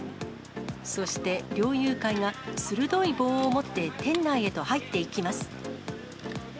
そして猟友会が鋭い棒を持って店内へと入っていきます。